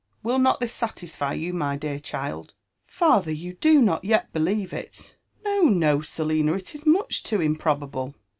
Will not this satisfy you, my dear child r •* Father ! you do not yet believe it?" " Mo, no, Selinal It is much too improbable."